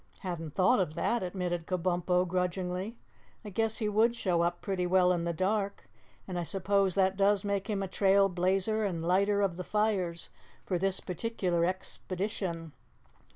"Hadn't thought of that," admitted Kabumpo grudgingly. "I guess he would show up pretty well in the dark, and I suppose that does make him trail blazer and lighter of the fires for this particular expedition.